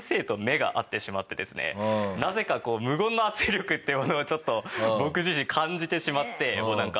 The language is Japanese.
なぜか無言の圧力っていうものをちょっと僕自身感じてしまって。